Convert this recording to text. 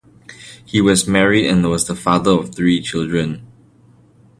He was married and was the father of three children.